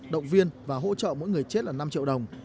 động viên và hỗ trợ mỗi người chết là năm triệu đồng